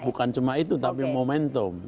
bukan cuma itu tapi momentum